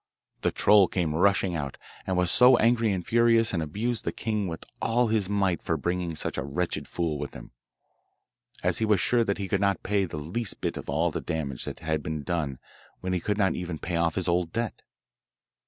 The troll came rushing out, and was so angry and furious, and abused the king with all his might for bringing such a wretched fool with him, as he was sure that he could not pay the least bit of all the damage that had been done when he could not even pay off his old debt.